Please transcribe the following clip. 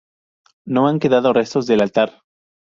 No han quedado restos del Altar.